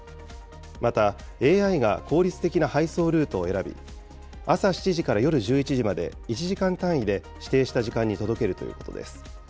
また、ＡＩが効率的な配送ルートを選び、朝７時から夜１１時まで１時間単位で指定した時間に届けるということです。